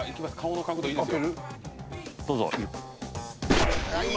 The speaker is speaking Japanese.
どうぞ。